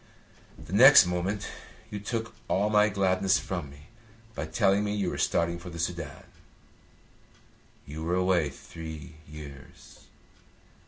The next moment you took all my gladness from me by telling me you were starting for the Soudan. You were away three years.